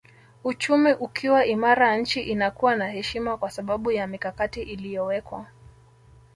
Uchumi ukiwa imara nchi inakuwa na heshima kwa sababu ya mikakati iliyowekwa